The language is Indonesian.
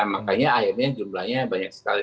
makanya akhirnya jumlahnya banyak sekali